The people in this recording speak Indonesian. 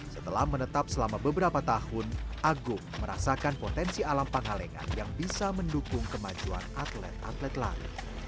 setelah menetap selama beberapa tahun agung merasakan potensi alam pangalengan yang bisa mendukung kemajuan atlet atlet lain